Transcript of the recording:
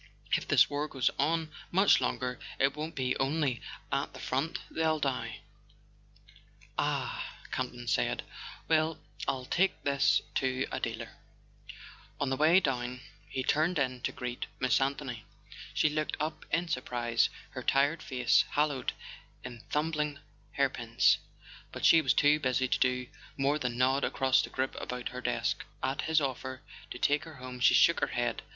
If this war goes on much longer, it won't be only at the front that they'll die." A SON AT THE FRONT "Ah " said Camp ton. "Well, I'll take this to a dealer——" On the way down he turned in to greet Miss An¬ thony. She looked up in surprise, her tired face haloed in tumbling hairpins; but she was too busy to do more than nod across the group about her desk. At his offer to take her home she shook her head.